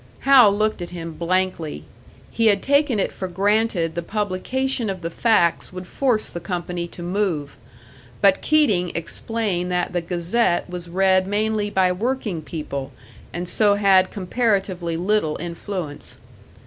Hal looked at him blankly. He had taken it for granted the publication of the facts would force the company to move. But Keating explained that the Gazette read mainly by working people, and so had comparatively little influence.